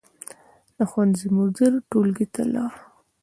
د ښوونځي مدیر ټولګي ته لاړ.